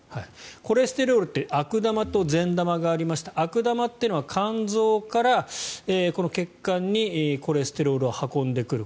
コレステロールって悪玉と善玉がありまして悪玉というのは肝臓からこの血管にコレステロールを運んでくる。